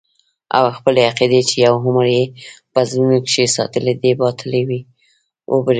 او خپلې عقيدې چې يو عمر يې په زړونو کښې ساتلې دي باطلې وبريښي.